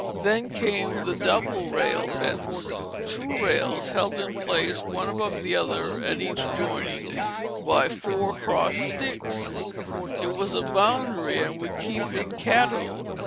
Then came the double rail fence; two rails, held in place one above the other, at each joining, by four crossed sticks. It was a boundary, and would keep in cattle.